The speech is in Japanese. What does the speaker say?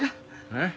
えっ？